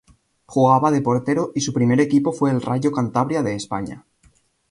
Jugaba de portero y su primer equipo fue el Rayo Cantabria de España.